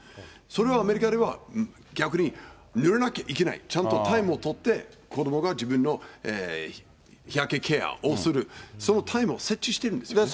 それをアメリカでは逆に塗らなきゃいけない、ちゃんとタイムを取って、子どもが自分の日焼けケアをする、そのタイムを設置してるんですよね。